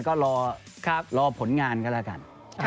ก็รอผลงานกันแล้วกัน